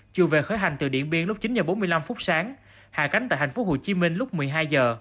chiều về khởi hành từ điện biên lúc chín h bốn mươi năm phút sáng hạ cánh tại tp hcm lúc một mươi hai h